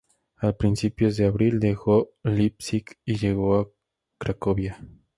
A principios de abril dejó Leipzig y llegó a Cracovia.